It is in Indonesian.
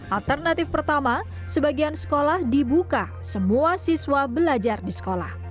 alternatif pertama sebagian sekolah dibuka semua siswa belajar di sekolah